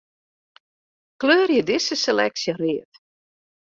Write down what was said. Kleurje dizze seleksje read.